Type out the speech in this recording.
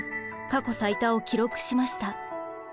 過去最多を記録しました。